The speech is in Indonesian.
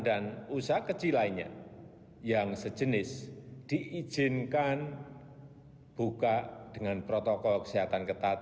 dan usaha kecil lainnya yang sejenis diizinkan buka dengan protokol kesehatan ketat